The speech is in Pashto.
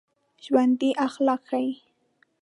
ژوندي اخلاق ښيي